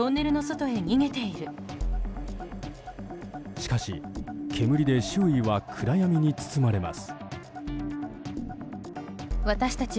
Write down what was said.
しかし、煙で周囲は暗闇に包まれます。